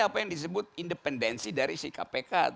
apa yang disebut independensi dari si kpk